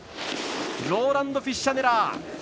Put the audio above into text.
ローランド・フィッシャネラー